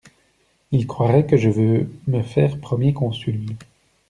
Ils croiraient que je veux me faire Premier Consul.